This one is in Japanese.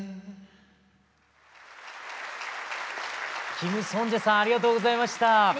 キムソンジェさんありがとうございました。